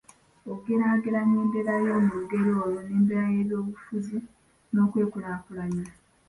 okugeraageranya embeera y’omu lugero olwo n’embeera y’ebyobufuzi n’okwekulaakulanya